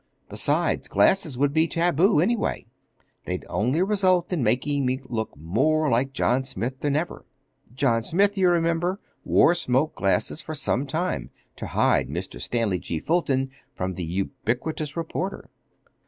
Besides, glasses would be taboo, anyway. They'd only result in making me look more like John Smith than ever. John Smith, you remember, wore smoked glasses for some time to hide Mr. Stanley G. Fulton from the ubiquitous reporter.